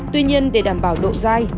tuy nhiên để đảm bảo độ dai